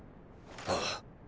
ああ。